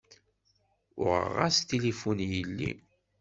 Uɣeɣ-as-d tilifun i yelli.